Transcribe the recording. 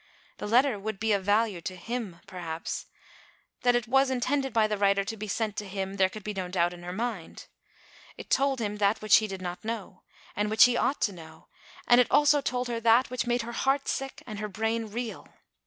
This letter would be of value to " him," perhaps ; that it was intended by the writer to be sent to him, there could be no doubt in her mind. It told him that which he did not know, and which he ought to know, and it also told her that, which made her heart sick and her brain reel.